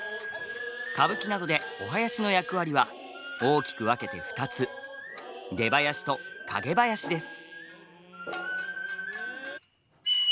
歌舞伎などでお囃子の役割は大きく分けて２つ出囃子と蔭囃子です。